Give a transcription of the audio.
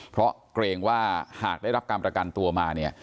เพราะเกรงว่าหากได้รับการประกันตัวมาเนี่ย